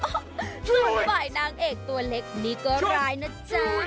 อ้าวฝ่ายนางเอกตัวเล็กนี่ก็ร้ายนะจ๊ะ